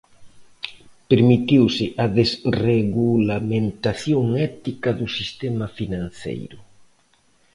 Permitiuse a desregulamentación ética do sistema financeiro.